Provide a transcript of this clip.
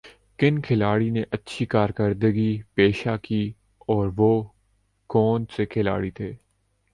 کن کھلاڑی نے اچھ کارکردگی پیشہ کی اور وہ کونہ سے کھلاڑی تھے